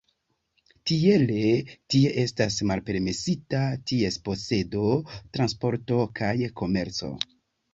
Tiele tie estas malpermesita ties posedo, transporto kaj komerco.